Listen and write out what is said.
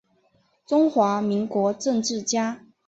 中华民国政治家。